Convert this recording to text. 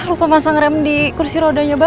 lupa pasang rem di kursi rodanya bapak